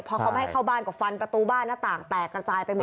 พอเขาไม่ให้เข้าบ้านก็ฟันประตูบ้านหน้าต่างแตกกระจายไปหมด